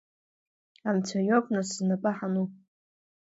Анцәа иоуп, нас знапы ҳану.